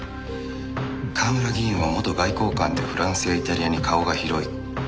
川村議員は元外交官でフランスやイタリアに顔が広い。